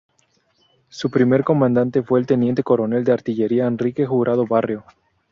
Su primer comandante fue el teniente coronel de artillería Enrique Jurado Barrio.